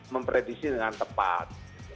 memprediksi dengan tepat